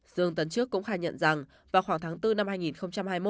dương tấn trước cũng khai nhận rằng vào khoảng tháng bốn năm hai nghìn hai mươi một